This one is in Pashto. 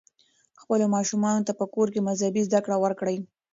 خپلو ماشومانو ته په کور کې مذهبي زده کړې ورکړئ.